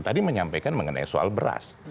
tadi menyampaikan mengenai soal beras